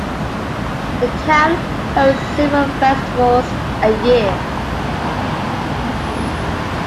The town hosts several festivals a year.